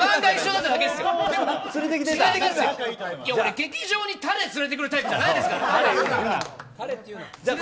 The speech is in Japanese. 劇場にタレ連れてくるタイプじゃないですから。